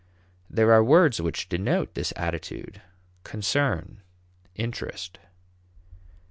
There are words which denote this attitude: concern, interest.